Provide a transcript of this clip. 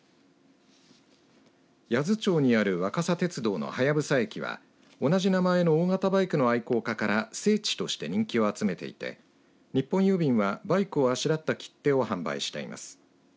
八頭町にある若桜鉄道の隼駅は同じ名前の大型バイクの愛好家から聖地として人気を集めていて日本郵便はバイクをあしらった切手を販売しています。